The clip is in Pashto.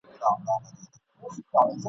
را یادېږي دي خواږه خواږه قولونه !.